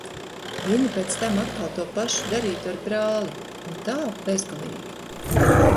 Viņa pēc tam atkal to pašu darītu ar brāli. Un tā bezgalīgi.